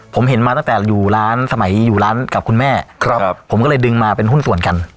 ผมเห็นมาตั้งแต่อยู่ร้านสมัยอยู่ร้านกับคุณแม่ครับผมก็เลยดึงมาเป็นหุ้นส่วนกัน